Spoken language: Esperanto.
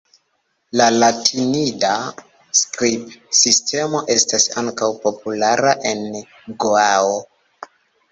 La latinida skribsistemo estas ankaŭ populara en Goao.